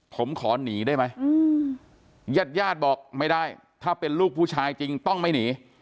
ผมขอหนีได้ไหมญาติญาติบอกไม่ได้ถ้าเป็นลูกผู้ชายจริงต้องไม่หนี